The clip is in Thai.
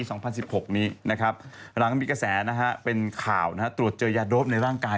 ว่าคำน้ำที่มีกระแสเป็นข่าวตรวจเจอยาโดรปในร่างกาย